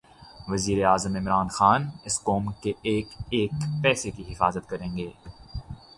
وزیراعظم عمران خان اس قوم کے ایک ایک پیسے کی حفاظت کریں گے